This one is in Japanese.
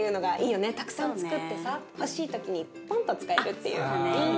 たくさんつくってさ欲しい時にポンと使えるっていう。